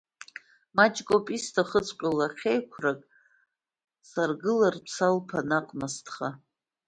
Маҷкоуп исҭахҵәҟьоу, лахьеиқәрак, саргылартә салԥаа наҟ насҭха…